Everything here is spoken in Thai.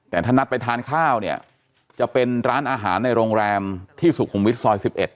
แต่ถ้านัดไปทานข้าวเนี่ยจะเป็นร้านอาหารในโรงแรมที่สุขุมวิทย์ซอย๑๑